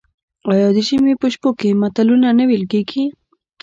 آیا د ژمي په شپو کې متلونه نه ویل کیږي؟